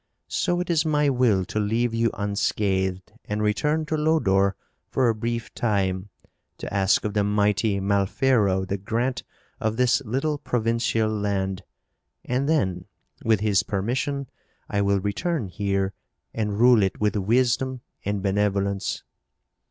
So it is my will to leave you unscathed and return to Lodore for a brief time to ask of the mighty Malfero the grant of this little provincial land. And then, with his permission, I will return here and rule it with wisdom and benevolence.